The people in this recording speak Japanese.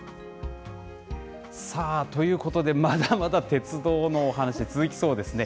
さあ、ということで、まだまだ鉄道のお話続きそうですね。